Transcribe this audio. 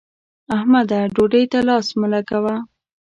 احمده! ډوډۍ ته لاس مه لګوه.